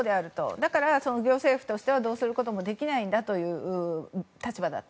だから行政府としてはどうすることもできないんだという立場だった。